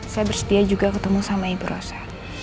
saya bersedia juga ketemu sama ibu rosa